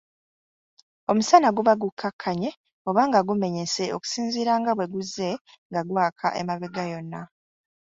Omusana guba gukkakkanye oba nga gumenyese okusinziira nga bwe guzze nga gwaka emabega yonna.